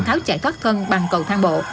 tháo chạy thoát thân bằng cầu thang bộ